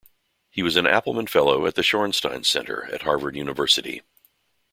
He was an Appleman Fellow at the Shorenstein Center at Harvard University.